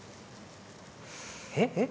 えっえっ？